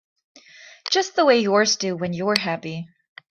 Just the way yours do when you're happy.